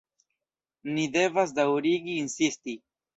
Ni devas daŭrigi insisti.